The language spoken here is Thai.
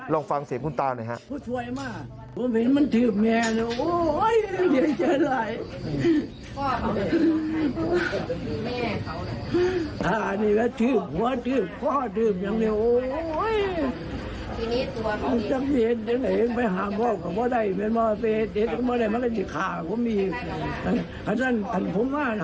ลองฟังเสียงคุณตาหน่อยครับ